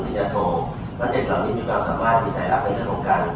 ที่ยอมเอกอดยเอนพระทินักษ์ราชภิกษา